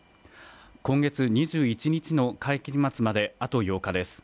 今月２１日の会期末まであと８日です。